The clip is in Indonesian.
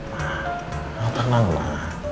mama tenang yo